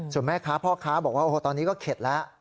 ส่วนแม่ค้าพ่อค้าบอกว่าโอ้โหตอนนี้ก็เข็ดแล้ว